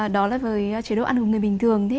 đó là về chế độ ăn hùng người bình thường